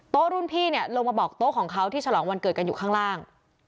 รุ่นพี่เนี่ยลงมาบอกโต๊ะของเขาที่ฉลองวันเกิดกันอยู่ข้างล่าง